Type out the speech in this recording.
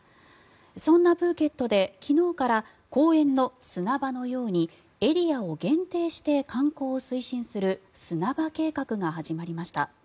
そんなプーケットで昨日から公園の砂場のようにエリアを限定して観光を推進する砂場計画が始まりました。